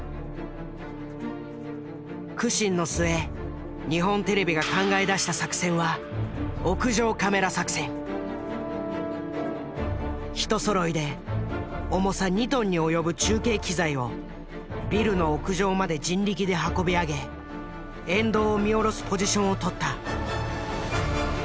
苦心の末日本テレビが考え出した作戦は一そろいで重さ２トンに及ぶ中継機材をビルの屋上まで人力で運び上げ沿道を見下ろすポジションを取った。